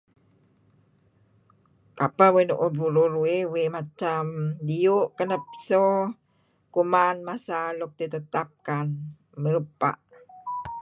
Kapeh uih nu'uh burur uih uih diyu' kenep so kuman masa luk ditetapkan, mirup ebpa'.